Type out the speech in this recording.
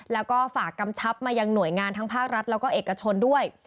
แล้วก็ฝากกำชับมายังหน่วยงานทั้งภาครัฐแล้วก็เอกชนด้วย